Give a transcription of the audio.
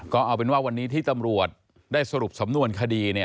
ก็เอาเป็นว่าวันนี้ที่ตำรวจได้สรุปสำนวนคดี